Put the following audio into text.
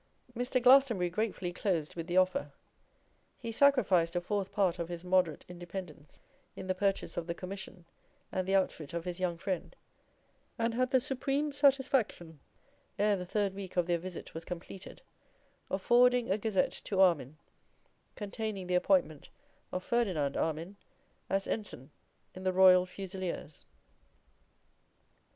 Mr. Glastonbury gratefully closed with the offer. He sacrificed a fourth part of his moderate independence in the purchase of the commission and the outfit of his young friend, and had the supreme satisfaction, ere the third week of their visit was completed, of forwarding a Gazette to Armine, containing the appointment of Ferdinand Armine as Ensign in the Royal Fusiliers.